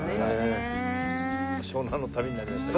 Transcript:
湘南の旅になりました。